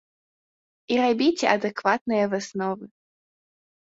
І рабіце адэкватныя высновы!